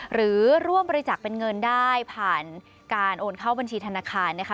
หรือร่วมบริจาคเป็นเงินได้ผ่านการโอนเข้าบัญชีธนาคารนะคะ